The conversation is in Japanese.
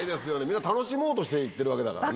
みんな楽しもうとして行ってるわけだからね。